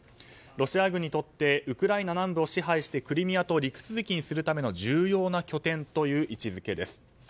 ロシア軍にとってウクライナ南部を支配してクリミアと陸続きにするための重要な拠点という位置づけです。